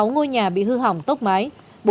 một mươi sáu ngôi nhà bị hư hỏng tốc mái